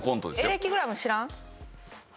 エレキグラム知らん？